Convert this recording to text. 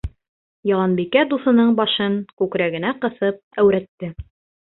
Яланбикә дуҫының башын күкрәгенә ҡыҫып әүрәтте: